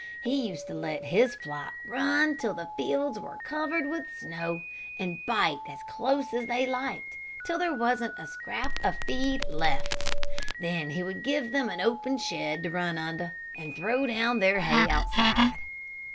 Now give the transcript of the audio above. He used to let his flock run till the fields were covered with snow, and bite as close as they liked, till there wasn't a scrap of feed left. Then he would give them an open shed to run under, and throw down their hay outside.